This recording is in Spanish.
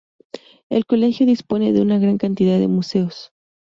El colegio dispone de una gran cantidad de museos.